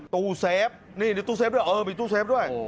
ตู้เซฟนี่ในตู้เซฟด้วยเออมีตู้เซฟด้วย